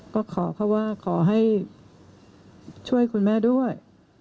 ก็ขอเขาว่าขอให้ช่วยคุณแม่ด้วย